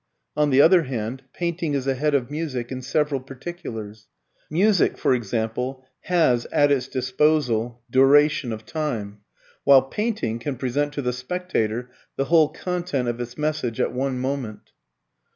On the other hand, painting is ahead of music in several particulars. Music, for example, has at its disposal duration of time; while painting can present to the spectator the whole content of its message at one moment.